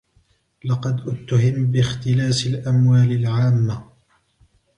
لقد اتُّهِمَ باختلاس الأموال العامّة.